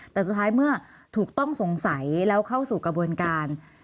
แต่สุดท้ายเมื่อถูกต้องสงสัยแล้วเข้าสู่กระบวนการ